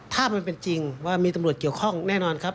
ถ้ามันเป็นจริงว่ามีตำรวจเกี่ยวข้องแน่นอนครับ